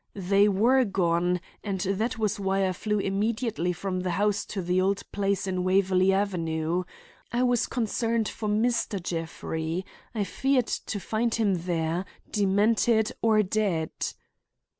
They were gone, and that was why I flew immediately from the house to the old place in Waverley Avenue. I was concerned for Mr. Jeffrey! I feared to find him there, demented or dead."